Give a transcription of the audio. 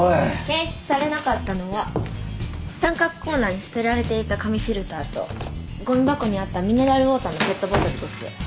検出されなかったのは三角コーナーに捨てられていた紙フィルターとごみ箱にあったミネラルウオーターのペットボトルです。